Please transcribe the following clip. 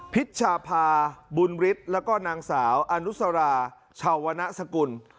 พิชชาพาบุญฤทธิ์แล้วก็นางสาวอนุสราชาวณสกุล